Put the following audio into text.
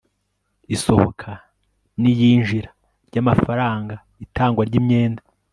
isohoka n'iyinjira ry'amafaranga, itangwa ry'imyenda